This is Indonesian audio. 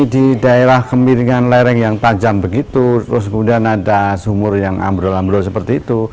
di daerah kemiringan lereng yang tajam begitu terus kemudian ada sumur yang ambrol ambrol seperti itu